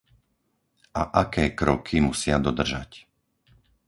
a aké kroky musia dodržať